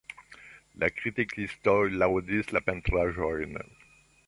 La kritikistoj laŭdis la pentraĵojn.